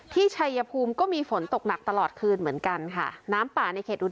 ที่ชายภูมิก็มีฝนตกหนักตลอดคืนเหมือนกันค่ะ